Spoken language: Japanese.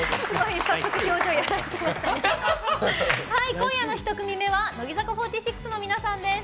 今夜の１組目は乃木坂４６の皆さんです。